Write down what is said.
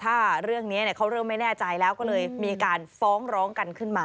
ถ้าเรื่องนี้เขาเริ่มไม่แน่ใจแล้วก็เลยมีการฟ้องร้องกันขึ้นมา